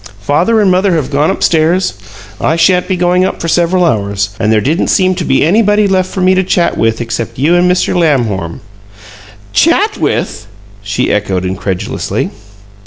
Father and mother have gone up stairs; I sha'n't be going up for several hours, and there didn't seem to be anybody left for me to chat with except you and Mr. Lamhorn." "'CHAT with'!" she echoed, incredulously.